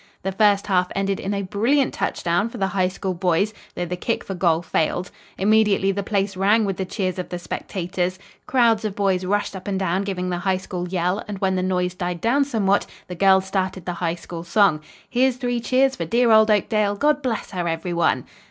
The first half ended in a brilliant touchdown for the High School boys, though the kick for goal failed. Immediately the place rang with the cheers of the spectators. Crowds of boys rushed up and down giving the High School yell and when the noise died down somewhat the girls started the High School song: "Here's three cheers for dear old Oakdale, God bless her, everyone!"